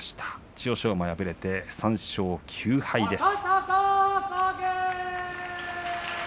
千代翔馬、敗れて３勝９敗です。